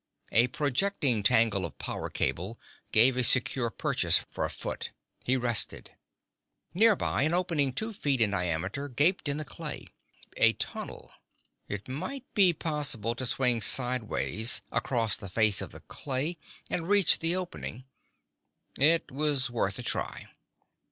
A projecting tangle of power cable gave a secure purchase for a foot. He rested. Nearby, an opening two feet in diameter gaped in the clay: a tunnel. It might be possible to swing sideways across the face of the clay and reach the opening. It was worth a try.